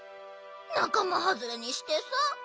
なかまはずれにしてさ。